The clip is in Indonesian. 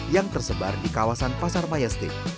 yang tersebar di kawasan pasar mayastik